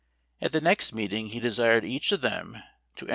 At the next meeting he desired each of them to en ICY SEA.